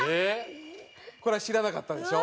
これは知らなかったでしょ？